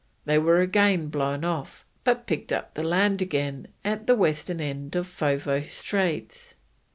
They were again blown off, but picked up the land again at the western end of Foveaux Straits.